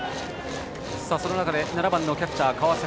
その中で７番のキャッチャー川崎。